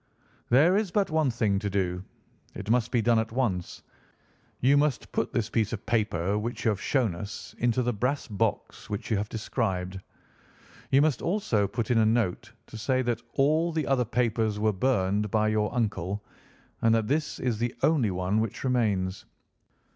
"There is but one thing to do. It must be done at once. You must put this piece of paper which you have shown us into the brass box which you have described. You must also put in a note to say that all the other papers were burned by your uncle, and that this is the only one which remains.